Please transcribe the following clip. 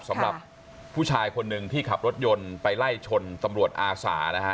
สำหรับผู้ชายคนหนึ่งที่ขับรถยนต์ไปไล่ชนตำรวจอาสานะฮะ